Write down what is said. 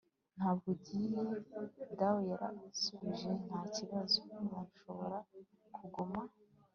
ntabwo ugiye! dawe yaransubije. nta kibazo, urashobora kuguma